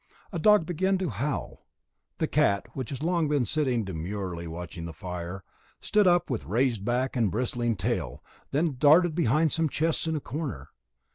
A dog without began to howl; the cat, which had long been sitting demurely watching the fire, stood up with raised back and bristling tail, then darted behind some chests in a corner.